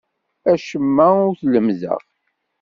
Acemma ur t-lemmdeɣ.